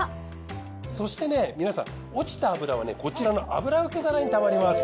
そして皆さん落ちた脂はこちらの油受け皿にたまります。